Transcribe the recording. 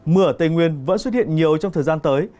mưa ở tây nguyên vẫn xuất hiện nhiều trong thời gian tới